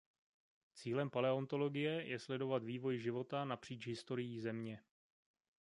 Cílem paleontologie je sledovat vývoj života napříč historií Země.